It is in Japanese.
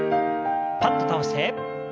パッと倒して。